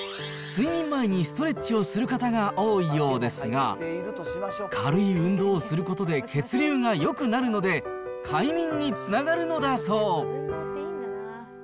睡眠前にストレッチをする方が多いようですが、軽い運動をすることで血流がよくなるので、うちの家内。